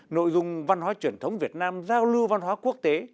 nội dung văn hóa truyền thống việt nam giao lưu văn hóa quốc tế